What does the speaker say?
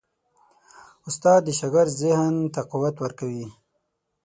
استاد د شاګرد ذهن ته قوت ورکوي.